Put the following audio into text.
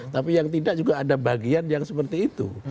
tapi yang tidak juga ada bagian yang seperti itu